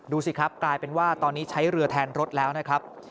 ดูสิครับกลายเป็นว่าตอนนี้ใช้เรือแทนรถแล้วนะครับ